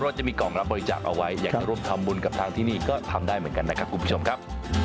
จะมีกล่องรับบริจาคเอาไว้อยากจะร่วมทำบุญกับทางที่นี่ก็ทำได้เหมือนกันนะครับคุณผู้ชมครับ